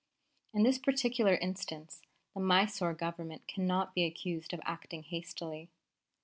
In this particular instance the Mysore Government cannot be accused of acting hastily.